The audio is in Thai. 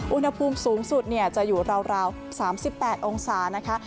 อุณหภูมิสูงสุดจะอยู่ราว๓๘องศานะคะ